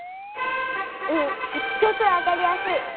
うんすっごくわかりやすい！